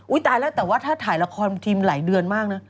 อุ้ยตายแล้วแต่ถ้าถ่ายละครไหลเดือนมากนะ